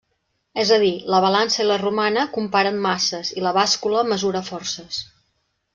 És a dir, la balança i la romana comparen masses i la bàscula mesura forces.